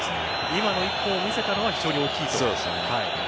今の一本を見せたのは非常に大きいと？